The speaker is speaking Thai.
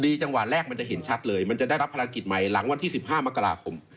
จังหวะแรกมันจะเห็นชัดเลยมันจะได้รับภารกิจใหม่หลังวันที่๑๕มกราคม